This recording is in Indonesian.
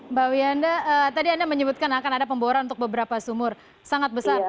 mbak wiyanda tadi anda menyebutkan akan ada pemboran untuk beberapa sumur sangat besar